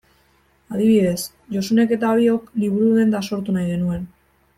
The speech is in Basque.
Adibidez, Josunek eta biok liburu-denda sortu nahi genuen.